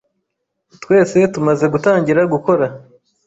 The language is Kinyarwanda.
Twese tumaze gutangira gukora